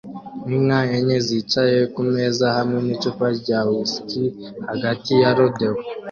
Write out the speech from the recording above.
Inka enye zicaye kumeza hamwe nicupa rya whiski hagati ya rodeo